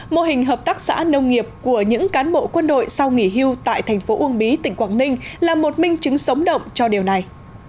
mô hình hợp tác xã nông nghiệp của những cán bộ quân đội sau nghỉ hưu tại thành phố uông bí tỉnh quảng ninh là một minh chứng sống động cho điều này